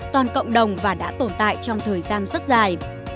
toàn cộng đồng và đã tồn tại trong thời gian rất dài